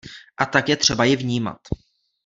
A tak je třeba ji vnímat.